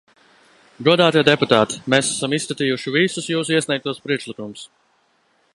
Godātie deputāti, mēs esam izskatījuši visus jūsu iesniegtos priekšlikumus.